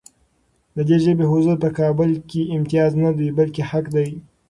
د دې ژبې حضور په کابل کې امتیاز نه دی، بلکې حق دی.